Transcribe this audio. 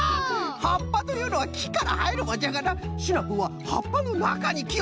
はっぱというのはきからはえるもんじゃがなシナプーははっぱのなかにきをみつけたんじゃな。